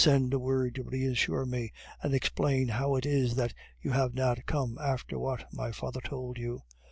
Send a word to reassure me, and explain how it is that you have not come after what my father told you.